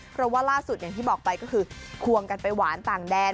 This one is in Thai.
เพราะว่าล่าสุดอย่างที่บอกไปก็คือควงกันไปหวานต่างแดน